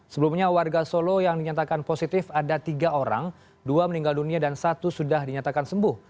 sebelumnya warga solo yang dinyatakan positif ada tiga orang dua meninggal dunia dan satu sudah dinyatakan sembuh